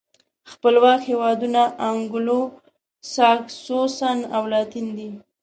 خپلواک هېوادونه انګلو ساکسوسن او لاتین دي.